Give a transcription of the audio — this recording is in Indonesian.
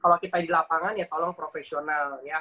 kalau kita di lapangan ya tolong profesional ya